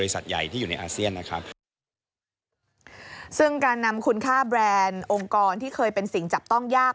ซึ่งการนำคุณค่าแบรนด์องค์กรที่เคยเป็นสิ่งจับต้องยาก